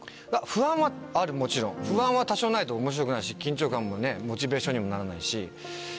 不安はあるもちろん不安は多少ないと面白くないし緊張感もモチベーションにもならないし。